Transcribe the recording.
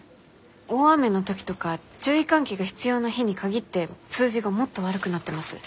大雨の時とか注意喚起が必要な日に限って数字がもっと悪くなってます。